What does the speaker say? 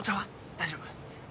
大丈夫？